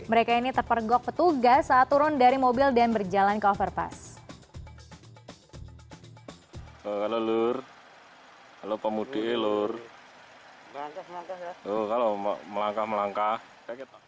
mereka ini terpergok petugas saat turun dari mobil dan berjalan ke overpass